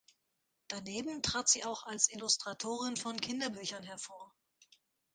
Daneben trat sie auch als Illustratorin von Kinderbüchern hervor.